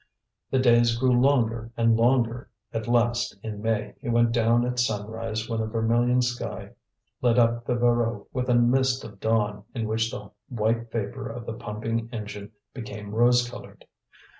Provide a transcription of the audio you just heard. The days grew longer and longer; at last, in May, he went down at sunrise when a vermilion sky lit up the Voreux with a mist of dawn in which the white vapour of the pumping engine became rose coloured.